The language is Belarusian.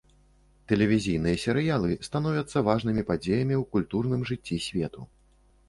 Тэлевізійныя серыялы становяцца важнымі падзеямі ў культурным жыцці свету.